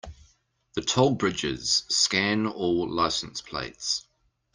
The toll bridges scan all license plates.